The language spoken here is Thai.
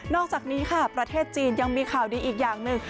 อกจากนี้ค่ะประเทศจีนยังมีข่าวดีอีกอย่างหนึ่ง